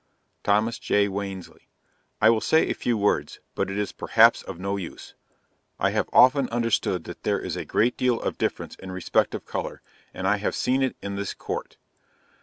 Thomas J. Wansley. I will say a few words, but it is perhaps of no use. I have often understood that there is a great deal of difference in respect of color, and I have seen it in this Court.